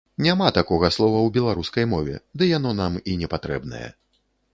Няма такога слова ў беларускай мове, ды яно нам і непатрэбнае.